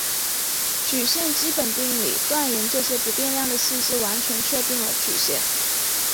曲线基本定理断言这些不变量的信息完全确定了曲线。